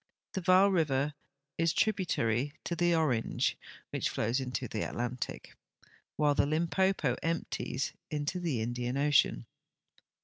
The Vaal river is tributary to the Orange, which flows into the Atlantic, Avhile the Limpopo emp ties into the Indian ocean.